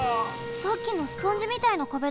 さっきのスポンジみたいな壁だ。